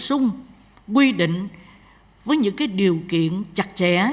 chúng ta phải quy định với những điều kiện chặt chẽ